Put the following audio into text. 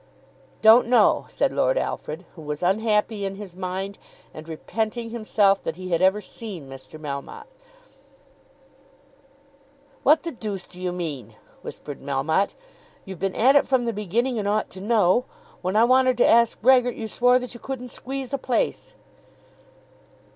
"Don't know," said Lord Alfred, who was unhappy in his mind, and repenting himself that he had ever seen Mr. Melmotte. "What the deuce do you mean?" whispered Melmotte. "You've been at it from the beginning and ought to know. When I wanted to ask Brehgert, you swore that you couldn't squeeze a place."